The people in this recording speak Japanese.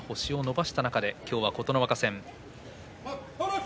平幕が星を伸ばした中で今日は琴ノ若戦。